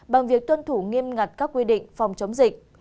bằng việc tuân thủ nghiêm ngặt các quy định phòng chống dịch